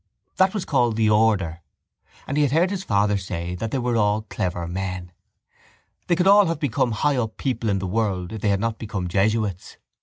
That was called the order: and he had heard his father say that they were all clever men. They could all have become high up people in the world if they had not become jesuits.